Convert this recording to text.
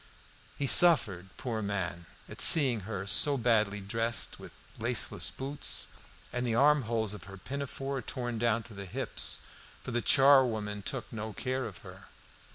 He suffered, poor man, at seeing her so badly dressed, with laceless boots, and the arm holes of her pinafore torn down to the hips; for the charwoman took no care of her.